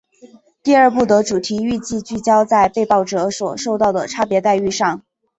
第二部的主题预计聚焦在被爆者所受到的差别待遇上。